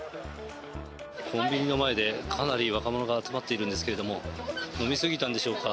コンビニの前で、かなり若者が集まっているんですが飲みすぎたのでしょうか